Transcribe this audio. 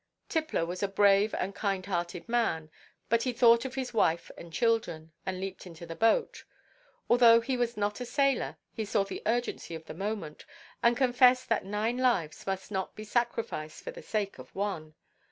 Tippler was a brave and kind–hearted man; but he thought of his wife and children, and leaped into the boat. Although he was not a sailor, he saw the urgency of the moment, and confessed that nine lives must not be sacrificed for the sake of one.